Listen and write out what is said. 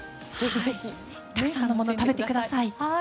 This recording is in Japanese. たくさんのものを食べてください。